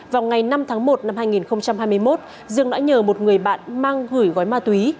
vào ngày năm tháng một năm hai nghìn hai mươi một dương đã nhờ một người bạn mang gửi gói ma túy